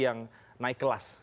yang naik kelas